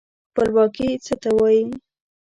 خپلواکي څه ته وايي.